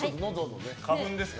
花粉ですか。